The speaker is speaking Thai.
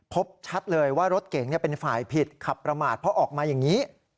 พบชัดเลยว่ารถเก๋งเป็นฝ่ายผิดขับประมาทเพราะออกมาอย่างนี้